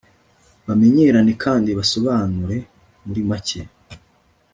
bamenyerane kandi basobanure muri make